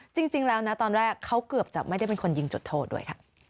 จริงแล้วนะตอนแรกเขาเกือบจะไม่ได้เป็นคนยิงจุดโทษด้วยค่ะ